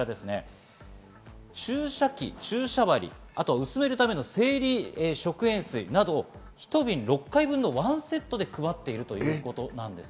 注射器、注射針、薄めるための生理食塩水など１瓶６回分の１セットで配っているということです。